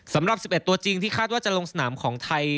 สำหรับ๑๑ตัวจริงที่คาดว่าจะลงสนามของไทย